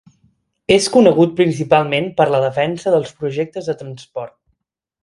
És conegut principalment per la seva defensa dels projectes de transport.